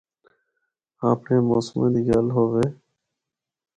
اپڑیاں موسماں دی گلا ہوے۔